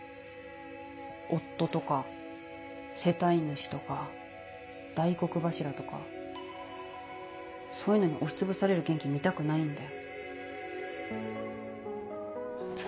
夫とか世帯主とか大黒柱とかそういうのに押しつぶされる元気見たくないんだよ